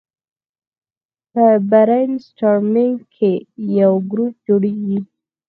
په برین سټارمینګ کې یو ګروپ جوړیږي.